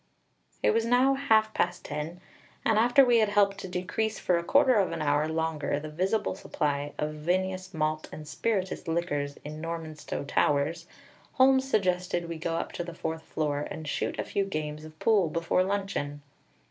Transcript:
It was now half past ten, and after we had helped to decrease for a quarter of an hour longer the visible supply of vinous, malt, and spirituous liquors in Normanstow Towers, Holmes suggested we go up to the fourth floor and shoot a few games of pool before luncheon.